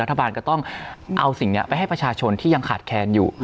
รัฐบาลก็ต้องเอาสิ่งนี้ไปให้ประชาชนที่ยังขาดแคลนอยู่